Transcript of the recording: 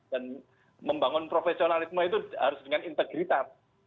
dan membangun profesionalisme itu harus dengan integritas